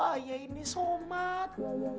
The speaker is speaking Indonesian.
ayah ini somat